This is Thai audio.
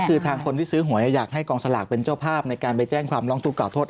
คือทางคนที่ซื้อหวยอยากให้กองสลากเป็นเจ้าภาพในการไปแจ้งความร้องทุกข่าโทษ